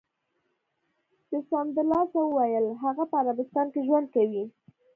ده سمدلاسه و ویل: هغه په عربستان کې ژوند کوي.